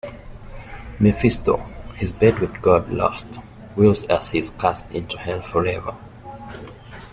Mephisto, his bet with God lost, wails as he is cast into hell forever.